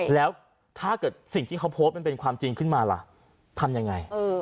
แล้วถ้าเกิดสิ่งที่เขาโพสต์มันเป็นความจริงขึ้นมาล่ะทำยังไง